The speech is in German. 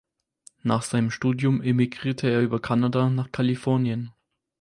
Nach seinem Studium emigrierte er über Kanada nach Kalifornien.